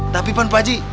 tapi pan pak ji